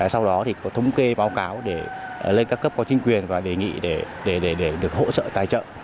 sau đó thì có thống kê báo cáo để lên các cấp có chính quyền và đề nghị để được hỗ trợ tài trợ